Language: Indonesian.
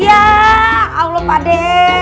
yaa allah padhe